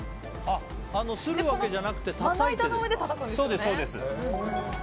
するわけじゃなくてまな板の上でたたくんですよね。